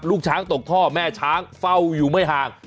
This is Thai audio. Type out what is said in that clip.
ลูกช้างตกท่อแม่ช้างเฝ้าอยู่ไม่ห่าง